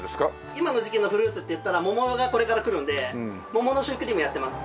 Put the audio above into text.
今の時期のフルーツっていったら桃がこれからくるので桃のシュークリームやってます。